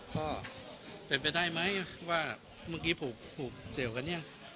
ก็เป็นไปได้ไหมว่าเมื่อกี้ผูกเซลล์กัน